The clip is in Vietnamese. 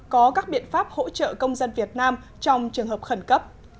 có các biện pháp hỗ trợ công dân việt nam trong trường hợp khẩn cấp